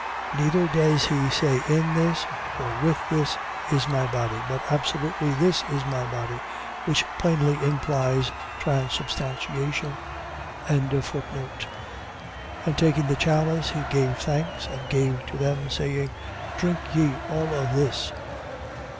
Neither does he say in this, or with this is my body; but absolutely, This is my body: which plainly implies transubstantiation. 26:27. And taking the chalice, he gave thanks and gave to them, saying: Drink ye all of this.